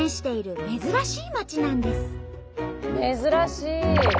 珍しい！